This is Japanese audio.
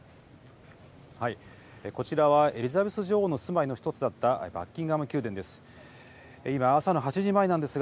こちらはエリザベス女王の住まいの一つだった、バッキンガム宮殿です。